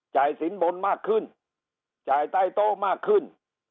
สินบนมากขึ้นจ่ายใต้โต๊ะมากขึ้น